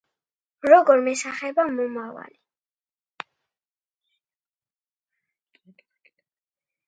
როგორ მესახება მომავალი